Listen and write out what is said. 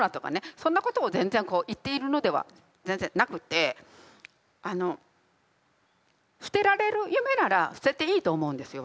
そんなことを全然言っているのでは全然なくてあの捨てられる夢なら捨てていいと思うんですよ